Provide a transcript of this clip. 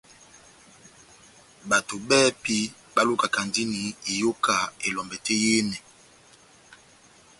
Bato bɛ́hɛ́pi balukakandini iyoka elombɛ tɛ́h yehenɛ.